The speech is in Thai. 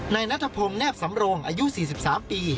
ในนัทพรมแนบสำโรงอายุ๔๓ปี